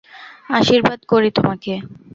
আশীর্বাদ করি তোমাকে।